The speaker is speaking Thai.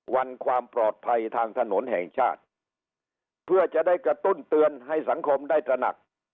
วันความปลอดภัยทางถนนแห่งชาติเพื่อจะได้กระตุ้นเตือนให้สังคมได้ตระหนัก